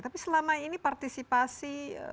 tapi selama ini partisipasi